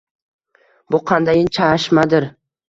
Bu qandayin chashmadir?